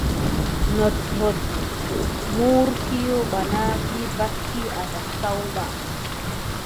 Naku nat trote mohhorkiwa ɓa kam vas kiyu a dasayu ɓa.